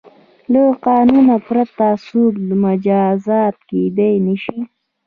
له قانون پرته څوک مجازات کیدای نه شي.